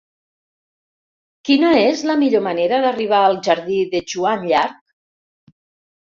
Quina és la millor manera d'arribar al jardí de Joan Llarch?